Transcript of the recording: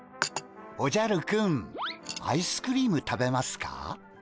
おじゃるくんアイスクリーム食べますか？